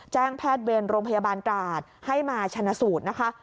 แจ้งแพทย์เวรโรงพยาบาลตราศให้มาฉนะศูนย์